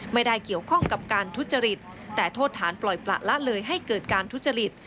ไม่ได้เกี่ยวข้องกับการทุจริตแต่โทษฐานปล่อยประละเลยให้เกิดการทุจริต